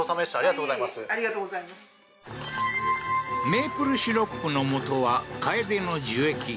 メープルシロップのもとはカエデの樹液。